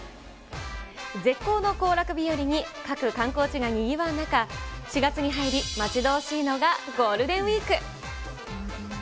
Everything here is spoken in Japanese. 絶好の行楽日和に各観光地がにぎわう中、４月に入り、待ち遠しいのがゴールデンウィーク。